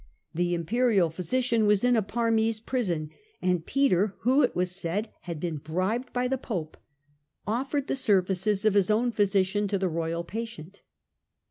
The Imperial physician was in a Parmese prison, and Peter, who, it was said, had been bribed by the Pope, offered the services of his own physician to the royal patient.